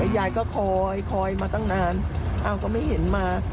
ยายก็คอยคอยมาตั้งนานอ้าวก็ไม่เห็นมา